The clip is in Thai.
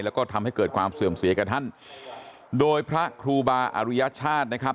แล้วก็ทำให้เกิดความเสื่อมเสียกับท่านโดยพระครูบาอรุยชาตินะครับ